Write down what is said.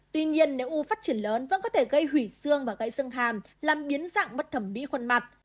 tuy nhiên nếu u phát triển lớn vẫn có thể gây hủy xương và gãy xương hàm làm biến dạng bất thẩm mỹ khuôn mặt